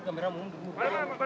kamera mundur dulu